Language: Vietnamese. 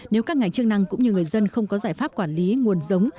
nếu các ngành chức năng cũng như người dân không có giải pháp quản lý nguồn giống